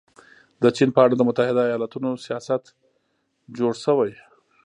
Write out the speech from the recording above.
د چین په اړه د متحده ایالتونو سیاست جوړ شوی.